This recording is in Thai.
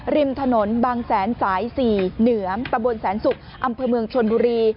ริมถนนบางแสนสาย๔เหนือตะบนแสนศุกร์อำเภอเมืองชนบุรี